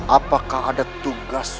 apakah ada tugas